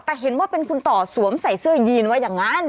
แต่เห็นว่าเป็นคุณต่อสวมใส่เสื้อยีนว่าอย่างนั้น